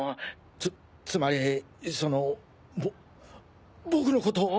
つつまりそのぼ僕のことを。